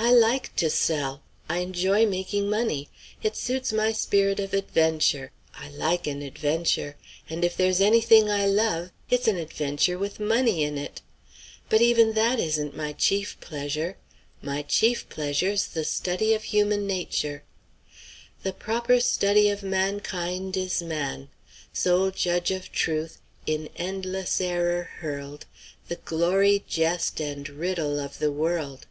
I like to sell. I enjoy making money. It suits my spirit of adventure. I like an adventure. And if there's any thing I love, it's an adventure with money in it! But even that isn't my chief pleasure: my chief pleasure's the study of human nature. 'The proper study of mankind is man. Sole judge of truth, in endless error hurled, The glory, jest, and riddle of the world.'"